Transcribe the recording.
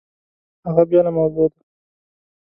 هغه بېله موضوع ده!